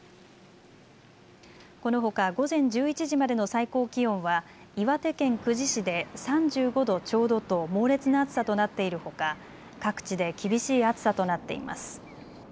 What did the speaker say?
このほか午前１１時までの最高気温は岩手県久慈市で３５度ちょうどと猛烈な暑さとなっているほか、各地で厳しい暑さとなっています。